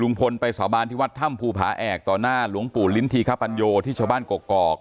ไปสาบานที่วัดถ้ำภูผาแอกต่อหน้าหลวงปู่ลิ้นธีคปัญโยที่ชาวบ้านกกอก